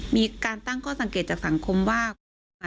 มีการตั้งข้อสังเกตจากสังคมว่า